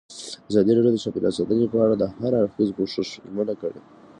ازادي راډیو د چاپیریال ساتنه په اړه د هر اړخیز پوښښ ژمنه کړې.